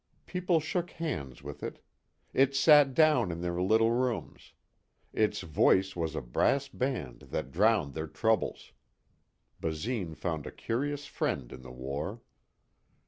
People shook hands with it. It sat down in their little rooms. It's voice was a brass band that drowned their troubles. Basine found a curious friend in the war.